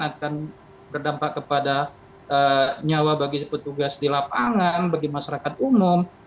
akan berdampak kepada nyawa bagi petugas di lapangan bagi masyarakat umum